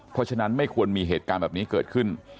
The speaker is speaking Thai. เพราะฉะนั้นไม่ควรมีเหตุการณ์แบบนี้เกิดขึ้น